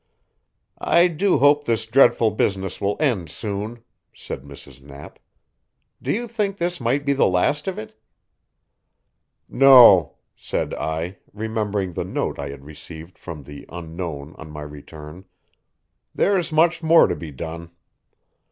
"I do hope this dreadful business will end soon," said Mrs. Knapp. "Do you think this might be the last of it?" "No," said I, remembering the note I had received from the Unknown on my return, "there's much more to be done."